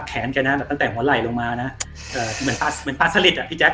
แขนแกตั้งแต่หัวไหล่ลงมาเหมือนป้าสลิดพี่แจ๊ค